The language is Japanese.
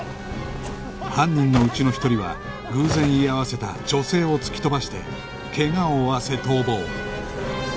犯人のうちの１人は偶然居合わせた女性を突き飛ばして怪我を負わせ逃亡